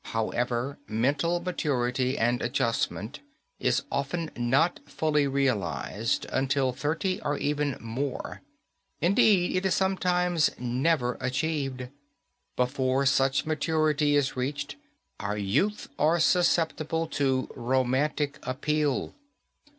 However, mental maturity and adjustment is often not fully realized until thirty or even more. Indeed, it is sometimes never achieved. Before such maturity is reached, our youth are susceptible to romantic appeal.